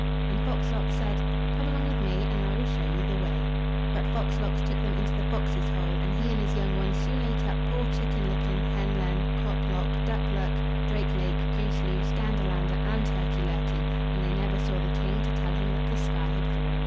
And Fox lox said: "Come along with me, and I will show you the way." But Fox lox took them into the fox's hole, and he and his young ones soon ate up poor Chicken licken, Hen len, Cock lock, Duck luck, Drake lake, Goose loose, Gander lander, and Turkey lurkey; and they never saw the King to tell him that the sky had fallen.